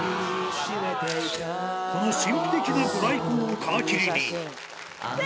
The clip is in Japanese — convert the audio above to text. この神秘的なご来光を皮切りに。